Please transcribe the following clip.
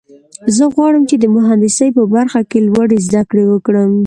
زه غواړم چې د مهندسۍ په برخه کې لوړې زده کړې وکړم